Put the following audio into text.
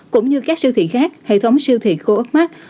cũng như các siêu thị khác hệ thống siêu thị coremark